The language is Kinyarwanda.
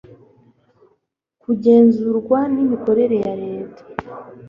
kugenzurwa ni mikorere ya reta